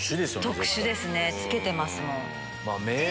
特殊ですね付けてます。